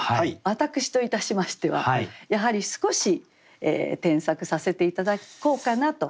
私といたしましてはやはり少し添削させて頂こうかなと。